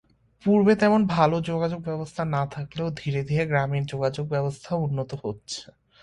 পূর্বে তেমন ভালো যোগাযোগ ব্যবস্থা না থাকলেও ধীরে ধীরে গ্রামের যোগাযোগ ব্যবস্থা উন্নত হচ্ছে।